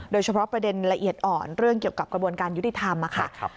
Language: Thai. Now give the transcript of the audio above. โดยเฉพาะประเด็นละเอียดอ่อนเรื่องเกี่ยวกับกระบวนการยุติธรรมค่ะ